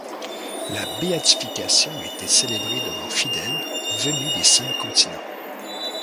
La béatification a été célébrée devant fidèles venus des cinq continents.